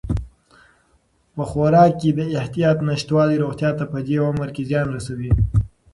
په خوراک کې د احتیاط نشتوالی روغتیا ته په دې عمر کې زیان رسوي.